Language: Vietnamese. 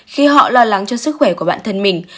khi họ lo lắng cho sức khỏe của bản thân mình